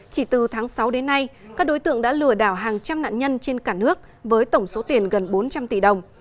chỉ từ tháng sáu đến nay các đối tượng đã lừa đảo hàng trăm nạn nhân trên cả nước với tổng số tiền gần bốn trăm linh tỷ đồng